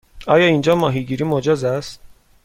آیا اینجا ماهیگیری مجاز است؟